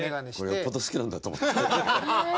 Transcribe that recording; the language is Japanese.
よっぽど好きなんだと思って。